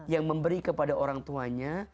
yang memberi kepada orang tuanya